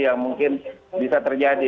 yang mungkin bisa terjadi